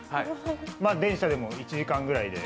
電車でも１時間ぐらいで。